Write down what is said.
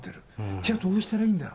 じゃあ、どうしたらいいんだ。